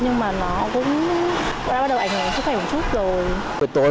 nhưng mà nó cũng đã bắt đầu ảnh hưởng sức khỏe một chút rồi